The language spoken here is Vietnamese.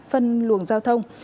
phân luồng giao thông